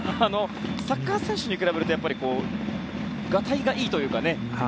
サッカー選手に比べるとガタイがいいというかね。